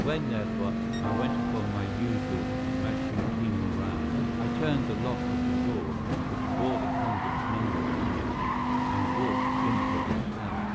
When, therefore, I went upon my usual matutinal round, I turned the lock of the door which bore the convict's number upon it, and walked into the cell.